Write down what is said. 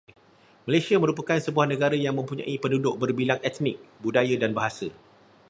Malaysia merupakan sebuah negara yang mempunyai penduduk berbilang etnik, budaya dan bahasa